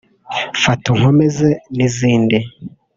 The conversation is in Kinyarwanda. Mfata unkomeze’ n’izindi